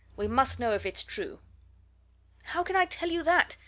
we must know if it's true!" "How can I tell you that?"